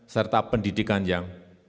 serta pendidikan yang